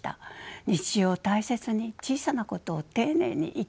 日常を大切に小さなことを丁寧に生きようって思っています。